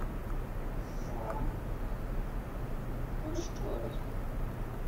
— Сам? Пощо ж?